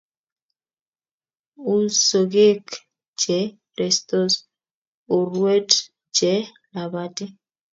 U sogek che restos, urwet che labati